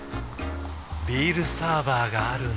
ビールサーバーがある夏。